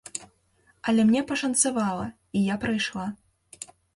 Але мне пашанцавала, і я прайшла.